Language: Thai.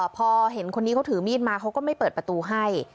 พอเห็นคนนี้เขาถือมีดมาเขาก็ไม่เปิดประตูให้